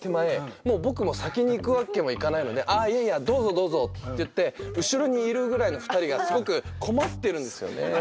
もう僕も先に行くわけにもいかないので「ああいやいやどうぞどうぞ」って言って後ろにいるぐらいの２人がすごく困ってるんですよね。